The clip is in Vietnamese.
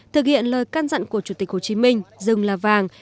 thực hiện lời can dặn của chủ tịch hồ chí minh rừng là vàng